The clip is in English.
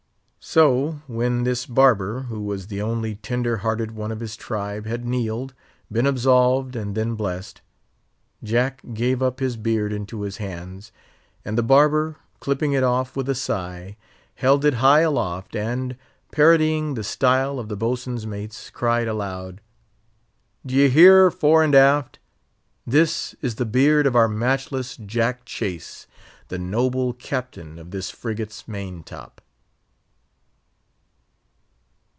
So when this barber, who was the only tender hearted one of his tribe, had kneeled, been absolved, and then blessed, Jack gave up his beard into his hands, and the barber, clipping it off with a sigh, held it high aloft, and, parodying the style of the boatswain's mates, cried aloud, "D'ye hear, fore and aft? This is the beard of our matchless Jack Chase, the noble captain of this frigate's main top!"